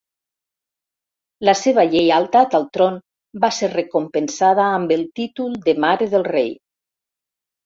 La seva lleialtat al tron va ser recompensada amb el títol de mare del rei.